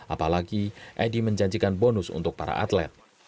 apalagi edi menjanjikan bonus untuk para atlet